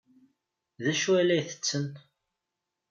D acu ay la ttetten?